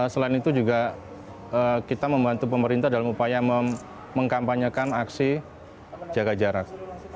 selain itu juga kita membantu pemerintah dalam upaya mengkampanyekan aksi jaga jarak